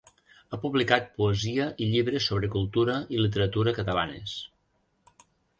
Ha publicat poesia i llibres sobre cultura i literatura catalanes.